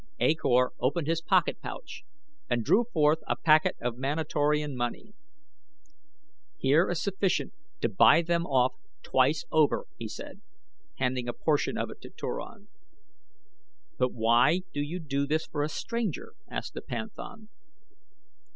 A Kor opened his pocket pouch and drew forth a packet of Manatorian money. "Here is sufficient to buy them off twice over," he said, handing a portion of it to Turan. "But why do you do this for a stranger?" asked the panthan.